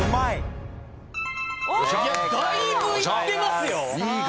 だいぶいってますよ。